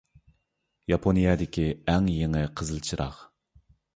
ياپونىيەدىكى ئەڭ يېڭى قىزىل چىراغ.